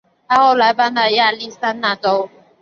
她后来搬到了亚利桑那州。